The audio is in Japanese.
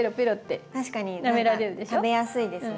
何か食べやすいですね。